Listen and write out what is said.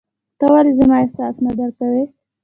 ته ولي زما احساس نه درکوې !